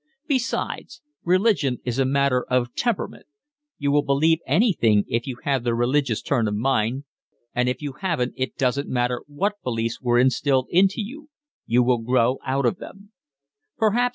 Besides, religion is a matter of temperament; you will believe anything if you have the religious turn of mind, and if you haven't it doesn't matter what beliefs were instilled into you, you will grow out of them.